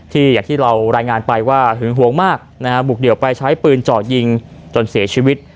อย่างที่เรารายงานไปว่าหึงหวงมากนะฮะบุกเดี่ยวไปใช้ปืนเจาะยิงจนเสียชีวิต